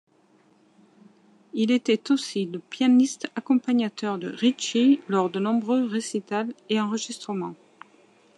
Il était aussi le pianiste accompagnateur de Ricci lors de nombreux récitals et enregistrements.